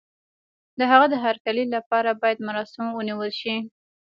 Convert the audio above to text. د هغه د هرکلي لپاره بايد مراسم ونه نيول شي.